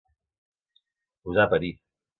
Posar a parir.